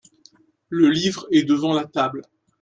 Le livre est devant la table.